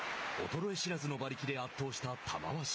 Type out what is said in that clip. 衰え知らずの馬力で圧倒した玉鷲。